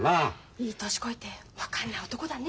いい年こいて分かんない男だね